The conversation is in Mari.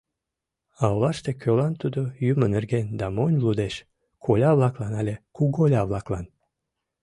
А олаште кӧлан тудо юмо нерген да монь лудеш: коля-влаклан але куголя-влаклан?